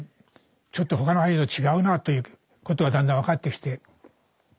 ちょっと他の俳優と違うなということがだんだん分かってきて